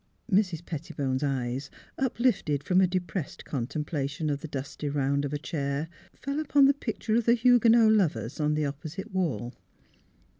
" Mrs. Pettibone 's eyes, uplifted from a depressed contemplation of the dusty round of a chair, fell upon the picture of the Huguenot Lovers on the opposite wall.